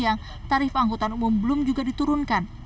pada siang tarif angkutan umum belum juga diturunkan